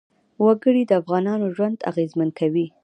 وګړي د افغانانو ژوند اغېزمن کوي.